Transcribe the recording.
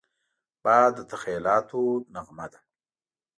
باد د تخیلاتو نغمه ده